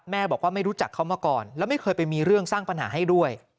แม่บอกว่าไม่รู้จักเขามาก่อนแล้วไม่เคยไปมีเรื่องสร้างปัญหาให้ด้วย